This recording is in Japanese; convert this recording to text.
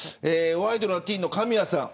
ワイドナティーンの神谷さん。